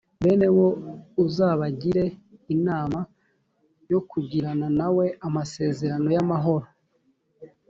bene wo uzabagire inama yo kugirana nawe amasezerano y’amahoro.